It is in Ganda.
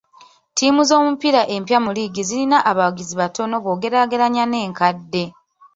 Ttiimu z'omupiira empya mu liigi zirina abawagizi batono bw'ogeraageranya n'enkadde.